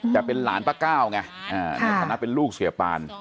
แต่เป็นหลานป้าก้าวไงในฐานะเป็นลูกเสียปาน